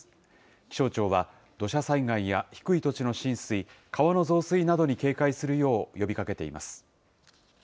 気象庁は、土砂災害や低い土地の浸水、川の増水などに警戒するよう呼びかけています。